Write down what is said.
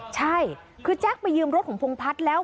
ใช่คือแจ๊คไปยืมรถของพงพัฒน์แล้ว